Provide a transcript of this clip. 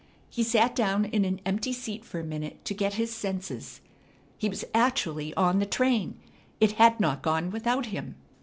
He sat down in an empty seat for a minute to get his senses. He was actually on the train! It had not gone without him!